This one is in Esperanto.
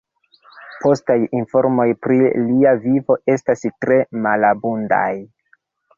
Postaj informoj pri lia vivo estas tre malabundaj.